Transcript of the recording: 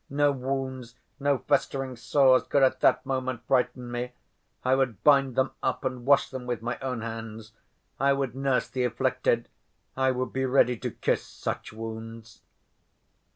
No wounds, no festering sores could at that moment frighten me. I would bind them up and wash them with my own hands. I would nurse the afflicted. I would be ready to kiss such wounds."